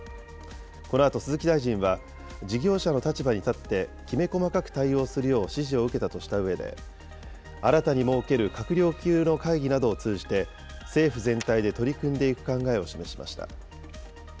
このあと鈴木大臣は、事業者の立場に立ってきめ細かく対応するよう指示を受けたとしたうえで、新たに設ける閣僚級の会議などを通じて、政府全体で取り組んでいく考えを示しました。